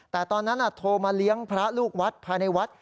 แต่ตอนนั้นโทรมาเลี้ยงพระลูกวัดภายในวัด